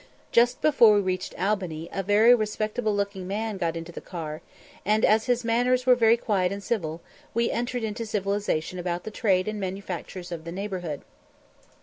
Just before we reached Albany a very respectable looking man got into the car, and, as his manners were very quiet and civil, we entered into conversation about the trade and manufactures of the neighbourhood.